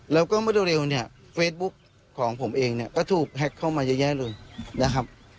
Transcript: แล้วก็เมื่อเร็วเนี่ยเฟซบุ๊กของผมเองเนี่ยก็ถูกแฮ็กเข้ามาเยอะแยะเลยนะครับ